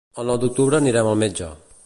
El nou d'octubre anirem al metge.